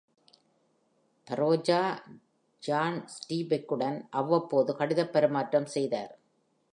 பரேஜா, John ஸ்டீன்பெக்குடன் அவ்வப்போது கடிதப் பரிமாற்றம் செய்தார்.